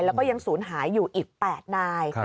แล้วก็ยังศูนย์หายอยู่อีก๘นาย